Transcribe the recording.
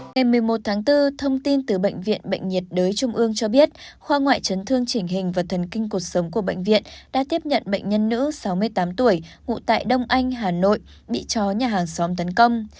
ngày một mươi một tháng bốn thông tin từ bệnh viện bệnh nhiệt đới trung ương cho biết khoa ngoại chấn thương chỉnh hình và thần kinh cuộc sống của bệnh viện đã tiếp nhận bệnh nhân nữ sáu mươi tám tuổi ngụ tại đông anh hà nội bị chó nhà hàng xóm tấn công